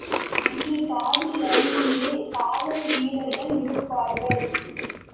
அங்கே பாதி வழியிலே காவல்வீரர்கள் இருப்பார்கள்.